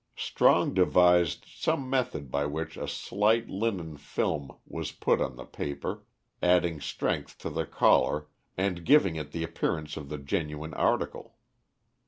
Strong devised some method by which a slight linen film was put on the paper, adding strength to the collar and giving it the appearance of the genuine article.